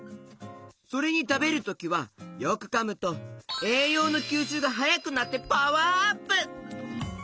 それにたべるときはよくかむとえいようのきゅうしゅうがはやくなってパワーアップ！